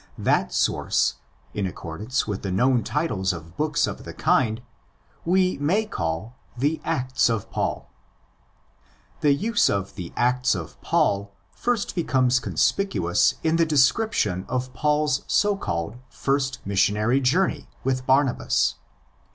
That source, in accordance with the known titles of books of the kind, we may call the Acts of Paul (Περίοδοι or Πράξεις Παύλου). The use of the Acts of Paul first becomes con spicuous in the description of Paul's so called '' first missionary journey' with Barnabas.